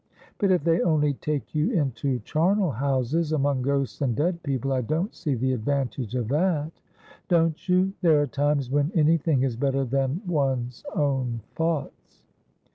' But if they only take you into charnel houses, among ghosts and dead people, I don't see the advantage of that.' 234 Asphodel. ' Don't you ? There are times when anything is better than one's own thoughts.'